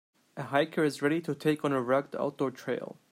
A hiker is ready to take on a rugged outdoor trail.